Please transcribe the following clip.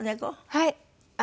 はい。